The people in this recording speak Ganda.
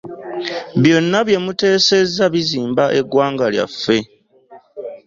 Byonna bye muteesezza bizimba eggwana lyaffe.